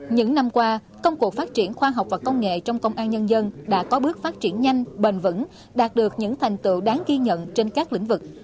những năm qua công cuộc phát triển khoa học và công nghệ trong công an nhân dân đã có bước phát triển nhanh bền vững đạt được những thành tựu đáng ghi nhận trên các lĩnh vực